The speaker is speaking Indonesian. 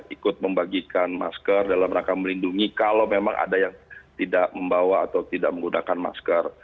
ikut membagikan masker dalam rangka melindungi kalau memang ada yang tidak membawa atau tidak menggunakan masker